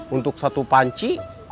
untuk satu panci